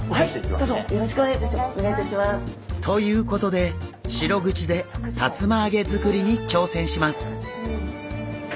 どうぞよろしくお願いいたします。ということでシログチでさつま揚げ作りに挑戦します！